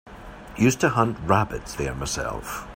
Used to hunt rabbits there myself.